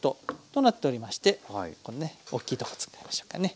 となっておりましてこれね大きいとこ使いましょうかね。